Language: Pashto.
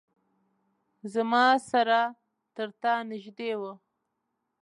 زما سره ترتا نیژدې وه